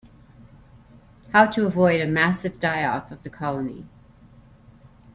How to avoid a massive die-off of the colony.